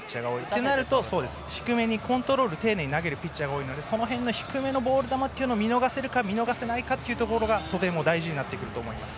となると低めにコントロール丁寧に投げるピッチャーが多いのでその辺の低めのボール球を見逃せるかがとても大事になると思います。